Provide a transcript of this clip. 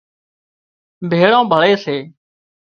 ڀيۯان ڀۯي سي